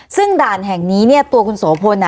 ซึ่งด่านแห่งนี้ตัวคุณโสโพนเนี่ย